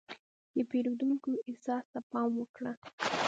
د پیرودونکي احساس ته پام وکړه.